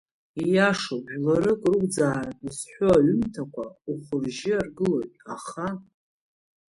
Ииашоуп, жәларык рықәӡааратәы зҳәо аҩымҭа ухәы-ржьы аргылоит, аха…